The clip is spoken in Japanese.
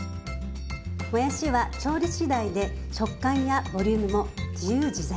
もやしは調理しだいで食感やボリュームも自由自在。